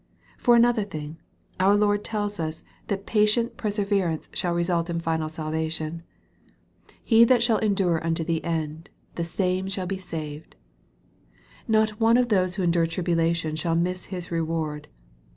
For another thing, our Lord tells us that patient per 280 EXPOSITORY THOUGHTS. severance shall result in final salvation. "He that shall endure unto the end, the same shall be saved." Not one of those who endure tribulation shall miss his reward.